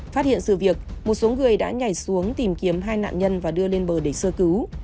phát hiện sự việc một số người đã nhảy xuống tìm kiếm hai nạn nhân và đưa lên bờ để sơ cứu